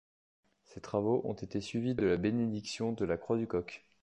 Ces travaux ont été suivis de la bénédiction de la croix du coq.